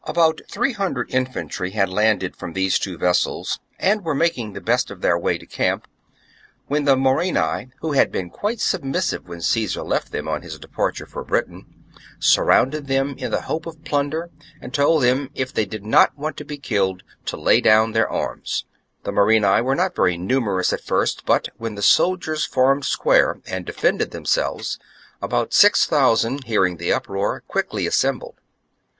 About three hundred infantry had landed ^J^" f^P' from these two vessels and were making the best i.^^^^'^^ ^^ harbour: the of their way to camp, when the Morini, who had troops whom •f i '' they earned been quite submissive when Caesar left them on attacked by ^_^ the Morini, his departure for Britain, surrounded them in the who are '•' repulsed. hope of plunder, and told them, if they did not want to be killed, to lay down their arms. The Morini were not very numerous at first ; but when the soldiers formed square^ and defended them selves, about six thousand, hearing the uproar, quickly assembled.